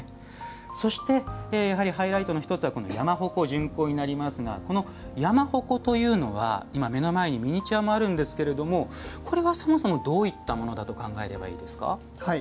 そして、やはりハイライトの１つ山鉾巡行になりますがこの山鉾というのは今、目の前にミニチュアもあるんですけれどもこれは、そもそもどういったものだと考えればいいですか？